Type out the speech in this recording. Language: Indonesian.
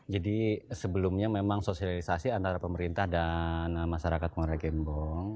jadi sebelumnya memang sosialisasi antara pemerintah dan masyarakat mora gembong